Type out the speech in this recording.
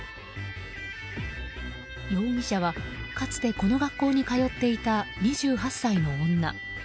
容疑者は、かつてこの学校に通っていた２８歳の女。